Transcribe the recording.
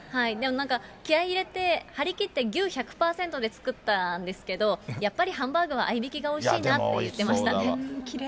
なんか気合い入れて、張り切って牛１００％で作ったんですけど、やっぱりハンバーグは合いびきがおいしいなって言ってました。